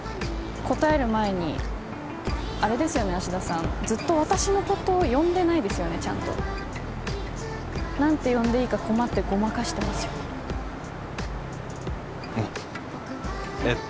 答える前にあれですよね芦田さんずっと私のこと呼んでないですよねちゃんと何て呼んでいいか困ってごまかしてますよね